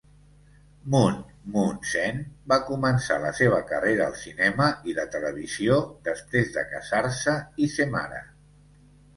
Moon Moon Sen va començar la seva carrera al cinema i la televisió després de casar-se i ser mare.